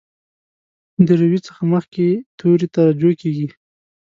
د روي څخه مخکې توري ته رجوع کیږي.